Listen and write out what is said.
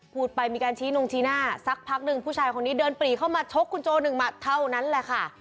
พูดไปมีการชี้นงชี้หน้าสักพักหนึ่งผู้ชายคนนี้เดินปรีเข้ามาชกคุณโจหนึ่งมาเท่านั้นแหละค่ะ